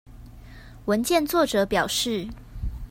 文件作者表示